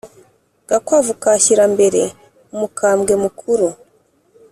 Gakwavu ka Shyirambere umukambwe mukuru